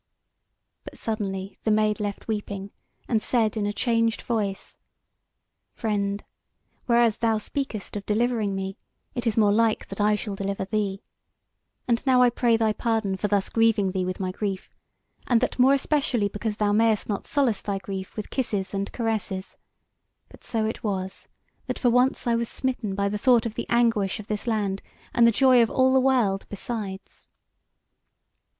But suddenly the Maid left weeping, and said in a changed voice: "Friend, whereas thou speakest of delivering me, it is more like that I shall deliver thee. And now I pray thy pardon for thus grieving thee with my grief, and that more especially because thou mayst not solace thy grief with kisses and caresses; but so it was, that for once I was smitten by the thought of the anguish of this land, and the joy of all the world besides."